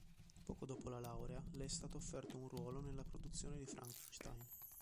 Poco dopo la laurea le è stato offerto un ruolo nella produzione di "Frankenstein".